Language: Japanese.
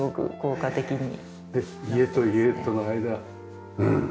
家と家との間うん。